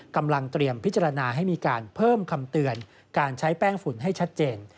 กำลังเตรียมพิจารณาให้มีการเพิ่มคำเตือนการใช้แป้งฝุ่นให้ชัดเจน